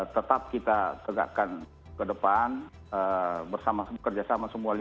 tracking kontoks personal khusus